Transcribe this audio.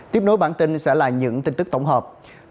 tiếp nối bản tin sẽ là những tin tức tổng hợp